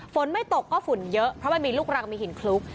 ฝนไม่ตกก็ฝุ่นเยอะเพราะมันมีลูกรังมีหินคลุก